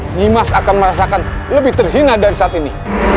nimas akan merasakan lebih terhina dari saat ini